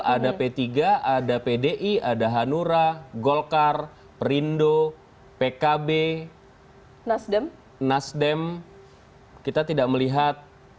ada p tiga ada pdi ada hanura golkar perindo pkb nasdem kita tidak melihat